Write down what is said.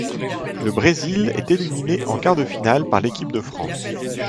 Le Brésil est éliminé en quart de finale par l'équipe de France.